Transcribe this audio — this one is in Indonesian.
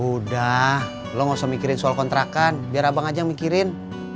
udah lo gak usah mikirin soal kontrakan biar abang aja yang mikirin